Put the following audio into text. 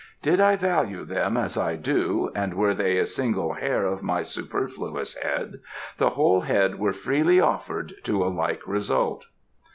"Did I value them as I do, and were they a single hair of my superfluous head, the whole head were freely offered to a like result."